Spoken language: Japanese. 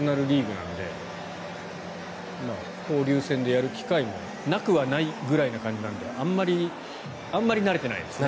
なので交流戦でやる機会はなくはないぐらいの感じなのであまり慣れていないですね。